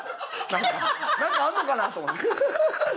何かあんのかな？と思った。